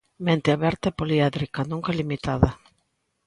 Mente aberta e poliédrica, nunca limitada.